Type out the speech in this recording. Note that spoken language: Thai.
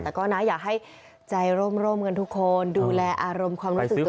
แต่ก็นะอยากให้ใจร่มกันทุกคนดูแลอารมณ์ความรู้สึกตัวเอง